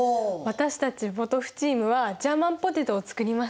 私たちポトフチームはジャーマンポテトを作りました。